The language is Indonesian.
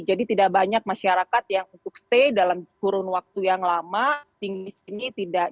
jadi tidak banyak masyarakat yang untuk tetap dalam kurun waktu yang lama tinggi sini tidak